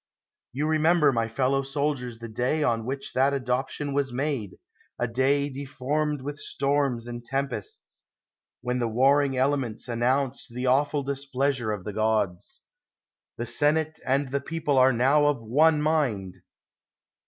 You remember, my fellow soldiers, the day on which that adoption was made — a day deformed with storms and tempests, when the warring elements announced the awful displeasure of the gods. The senate and the people are now of one mind.